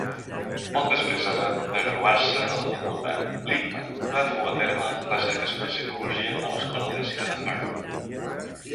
Poc després de graduar-se de la facultat, Liebman va dur a terme recerca sobre psicologia a l'Escola de Medicina de Harvard .